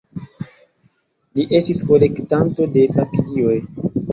Li estis kolektanto de papilioj.